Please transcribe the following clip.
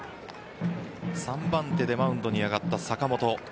３番手でマウンドに上がった坂本。